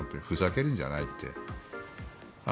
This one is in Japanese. ふざけるんじゃないって。